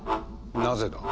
なぜだ？